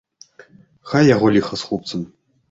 Хай яго ліха з хлопцам!